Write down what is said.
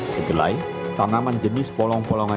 sedelai tanaman jenis polong polongan